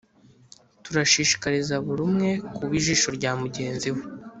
Turashishikariza buri umwe kuba ijisho rya mugenzi we